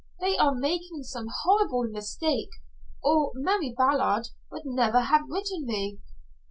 They are making some horrible mistake, or Mary Ballard would never have written me."